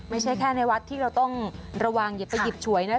ไม่ใช่แค่ในวัดที่เราต้องระวังอย่าไปหยิบฉวยนะ